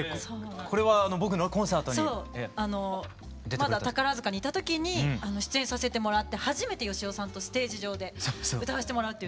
まだ宝塚にいた時に出演させてもらって初めて芳雄さんとステージ上で歌わせてもらうという。